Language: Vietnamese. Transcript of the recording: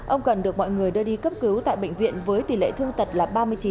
ông cần được mọi người đưa đi cấp cứu tại bệnh viện với tỷ lệ thương tật là ba mươi chín